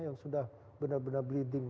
yang sudah benar benar bleeding